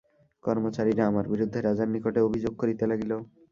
কর্মচারীরা আমার বিরুদ্ধে রাজার নিকটে অভিযোগ করিতে লাগিল।